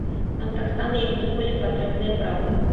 Нам таксама як ніколі патрэбная праўда.